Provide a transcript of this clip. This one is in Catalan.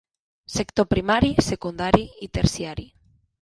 Sector primari, secundari i terciari.